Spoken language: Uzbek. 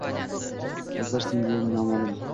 Bu sir sengagina ma`lum edi